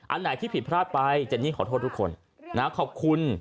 อันไหนก็ผิดพลาดไปเจนนี่ขอโทษทุกคน